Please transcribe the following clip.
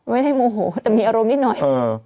ไม่ได้โมโหแต่มีอารมณ์นิดหน่อย